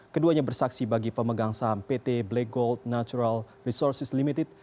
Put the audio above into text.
keduanya bersaksi bagi pemegang saham pt black gold natural resources limited